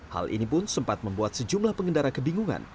hal ini pun sempat membuat sejumlah pengendara kebingungan